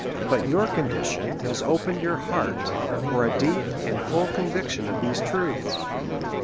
But your condition has opened your heart THE REV. W. LAW. XXf for a deep and full conviction of these truths.